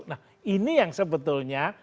nah ini yang sebetulnya